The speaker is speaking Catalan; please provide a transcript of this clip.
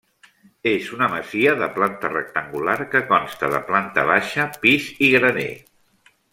És una masia de planta rectangular que consta de planta baixa, pis i graner.